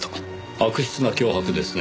悪質な脅迫ですねぇ。